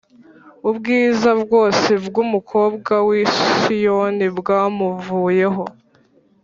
Ubwiza bwose bw’umukobwa w’i Siyoni bwamuvuyeho